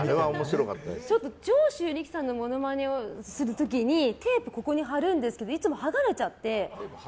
長州力さんのモノマネをする時にテープこめかみの辺りに貼るんですけどいつも剥がれちゃって。